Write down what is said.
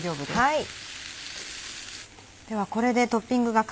はい。